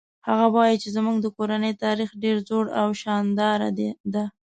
هغه وایي چې زموږ د کورنۍ تاریخ ډېر زوړ او شانداره ده